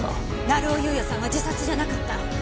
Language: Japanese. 成尾優也さんは自殺じゃなかった。